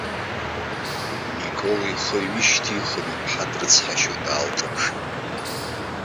Микола ихы ҩышьҭихын, иԥҳа дрыцҳашьо даалҿаԥшит.